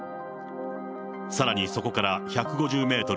さらにそこから１５０メートル